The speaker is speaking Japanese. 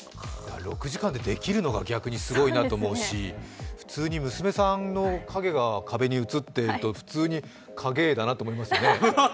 ６時間でできるのが逆にすごいなと思うし普通に娘さんの影が壁に映ってると普通に影絵だなと思いますよね。